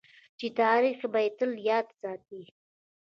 چې تاریخ به یې تل یاد ساتي.